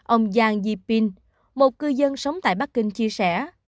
ông giang yipin một cư dân sống tại bắc kinh chia sẻ